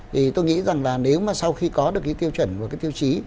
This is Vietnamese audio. thì tôi nghĩ rằng là nếu mà sau khi có được cái tiêu chuẩn và cái tiêu chí